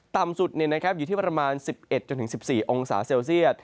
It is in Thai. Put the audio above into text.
ต่ำสุดอยู่ที่ประมาณ๑๑๑๔องศาเซลเซียต